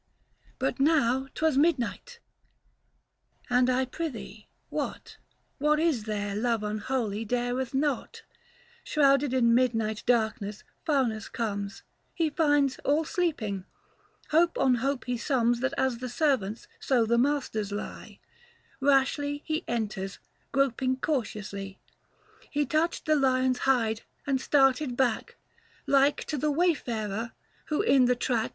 345 But now 'twas midnight : and I prythee, what — What is there, love unholy, dareth not ? Shrouded in midnight darkness Faunus comes — He finds all sleeping : hope on hope he sums That as the servants so the masters lie ; Kashly he enters, groping cautiously, He touched the lion's hide, and started back Like to the wayfarer, who in the track 350 Book II.